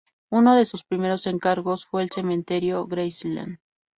Uno de sus primeros encargos fue el cementerio Graceland.